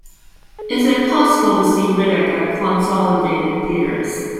Is it possible to see Riddick at Consolidated Theatres